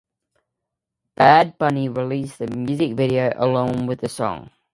Bad Bunny released the music video along with the song.